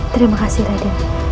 terima kasih raden